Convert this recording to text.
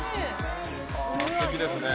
すてきですね。